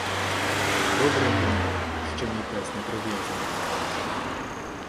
Добре мені, що мій пес не прив’язаний.